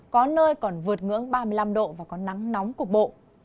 có nơi còn vượt ngưỡng ba mươi năm độ và có nắng nóng cục bộ